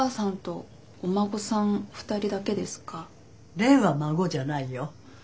蓮は孫じゃないよ。